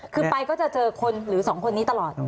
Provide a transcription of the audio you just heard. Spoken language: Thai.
คือไปก็จะเจอคนหรือสองคนนี้ตลอด